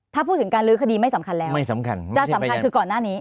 ถ้าพูดถึงการลื้อคดีไม่สำคัญแล้วไม่สำคัญจะสำคัญคือก่อนหน้านี้